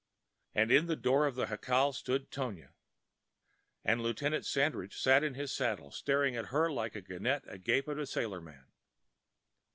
And in the door of the jacal stood Tonia. And Lieutenant Sandridge sat in his saddle staring at her like a gannet agape at a sailorman.